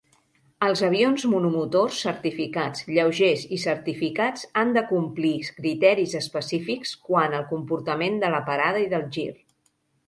Els avions monomotors certificats, lleugers i certificats han de complir criteris específics quant al comportament de la parada i del gir.